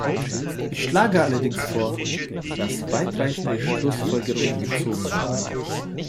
Ich schlage allerdings vor, dass weiterreichende Schlussfolgerungen gezogen werden.